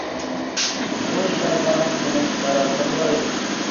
بۇ ئىشلارغا ئۇنىڭ نارازىلىقى بار ئىدى.